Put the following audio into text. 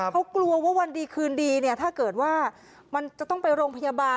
เขากลัวว่าวันดีคืนดีเนี่ยถ้าเกิดว่ามันจะต้องไปโรงพยาบาล